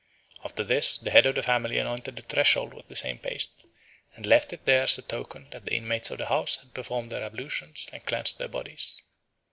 After this the head of the family anointed the threshold with the same paste, and left it there as a token that the inmates of the house had performed their ablutions and cleansed their bodies.